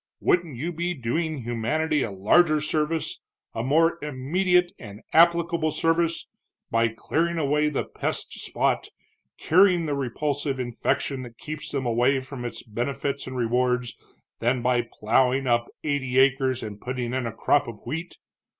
Wouldn't you be doing humanity a larger service, a more immediate and applicable service, by clearing away the pest spot, curing the repulsive infection that keeps them away from its benefits and rewards, than by plowing up eighty acres and putting in a crop of wheat?